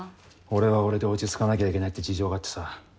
俺は俺で落ち着かなきゃいけないって事情があってさ。